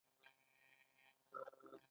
د امریکا د سفر لوري د نقشي له مخې رسم کړئ.